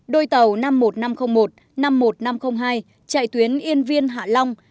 đôi tàu năm mươi một nghìn năm trăm linh một năm mươi một nghìn năm trăm linh hai chạy tuyến yên viên hạ long